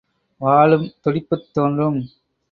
வாழும் துடிப்புத் தோன்றும்!